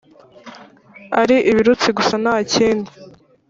ari ibirutsi gusa ntakindi